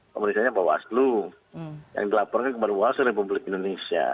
pemeriksa nya bawaslu yang dilaporkan kepada walser republik indonesia